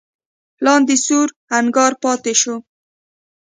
لاندې سور انګار پاتې شو.